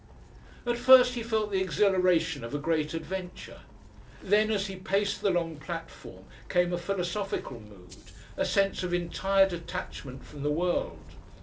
At first he felt the exhilaration of a great adventure. Then, as he paced the long platform, came a philosophical mood, a sense of entire detachment from the world.